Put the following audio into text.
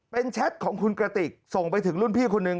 เป็นแชทของคุณกระติกส่งไปถึงรุ่นพี่คนนึง